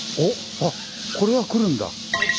あこれは来るんだ。